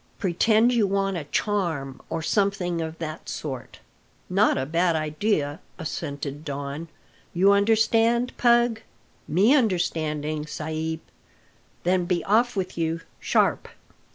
"Pretend you want a charm, or something of that sort." "Not a bad idea," assented Don. "You understand, Pug?" "Me understanding, sa'b." "Then be off with you, sharp!"